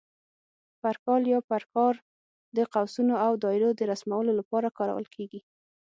پر کال یا پر کار د قوسونو او دایرو د رسمولو لپاره کارول کېږي.